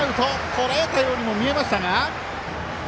とらえたようにも見えましたが。